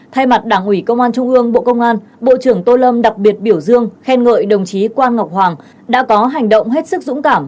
thay mặt đảng ủy công an trung ương bộ công an bộ trưởng tô lâm đặc biệt biểu dương khen ngợi đồng chí quan ngọc hoàng đã có hành động hết sức dũng cảm